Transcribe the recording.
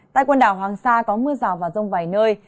tại quần đảo hoàng sa có mưa rào và rông vài nơi